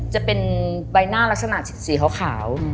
จะเป็นใบหน้าลักษณะสีขาว